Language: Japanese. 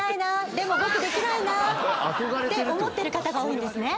でも僕できないなって思ってる方が多いんですね。